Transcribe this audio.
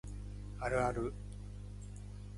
あるある